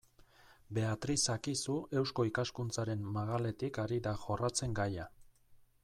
Beatriz Akizu Eusko Ikaskuntzaren magaletik ari da jorratzen gaia.